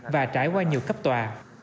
và trải qua nhiều cấp tòa